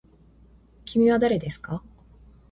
きみはだれですか。